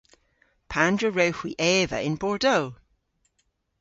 Pandr'a wrewgh hwi eva yn Bordeaux?